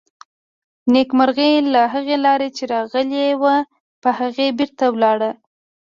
نېکمرغي له هغې لارې چې راغلې وه، په هغې بېرته لاړه.